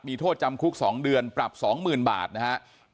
มีโทษจำคุก๒เดือนปรับ๒๐๐๐บาทนะครับ